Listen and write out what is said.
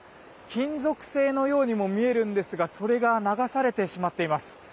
金属製のようにも見えるんですがそれが流されてしまっています。